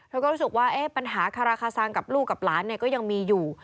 เธอก็รู้สึกว่าปัญหาฆาตภาคสังฆ์กับลูกกับหลานเนี่ยก็ยังมีอยู่